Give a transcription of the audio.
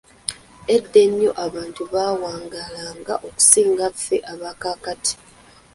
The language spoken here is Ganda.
Edda ennyo abantu baawangaalanga okusinga ffe abakaakati.